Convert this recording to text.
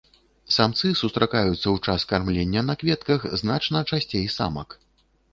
Самцы сустракаюцца ў час кармлення на кветках значна часцей самак.